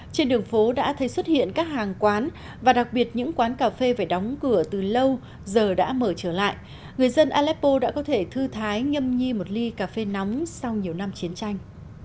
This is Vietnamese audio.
trên đường phố đã thấy xuất hiện các hàng quán và đặc biệt những quán cà phê phải đóng cửa từ lâu giờ đã mở trở lại người dân aleppo đã có thể thư thái ngâm nhi một ly cà phê nóng sau nhiều năm chiến tranh